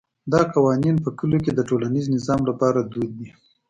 دا قوانین په کلیو کې د ټولنیز نظم لپاره دود دي.